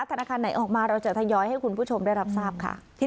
ธนาคารไหนออกมาเราจะทยอยให้คุณผู้ชมได้รับทราบค่ะ